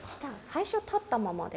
最初立ったままで。